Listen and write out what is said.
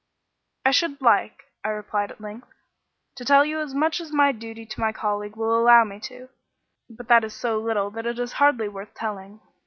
"I should like," I replied at length, "to tell you as much as my duty to my colleague will allow me to; but that is so little that it is hardly worth telling.